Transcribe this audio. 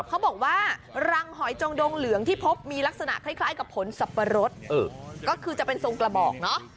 เขาบอกว่ารังหอยจงดงเหลืองที่พบมีลักษณะคล้ายกับผลสับปะรดก็คือจะเป็นทรงกระบอกเนาะ